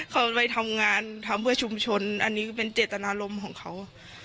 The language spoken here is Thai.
เขาไปทำงานทำเพื่อชุมชนอันนี้ก็เป็นเจตนารมณ์ของเขา